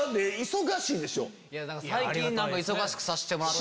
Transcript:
最近忙しくさせてもらって。